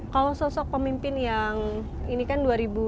kalau sosok pemimpin yang ini kan dua ribu dua puluh empat